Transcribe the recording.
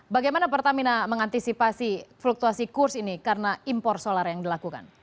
bagaimana pertamina mengantisipasi fluktuasi kurs ini karena impor solar yang dilakukan